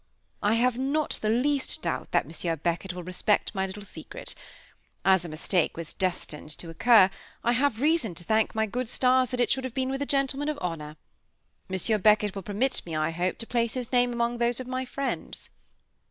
"I have not the least doubt that Monsieur Beckett will respect my little secret. As a mistake was destined to occur, I have reason to thank my good stars that it should have been with a gentleman of honor. Monsieur Beckett will permit me, I hope, to place his name among those of my friends?"